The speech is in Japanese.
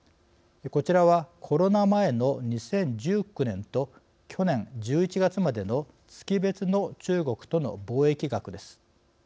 こちらはコロナ前の２０１９年と去年１１月までの月別の中国との貿易額です。